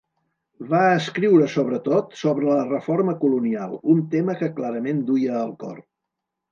Va escriure sobretot sobre la reforma colonial, un tema que clarament duia al cor.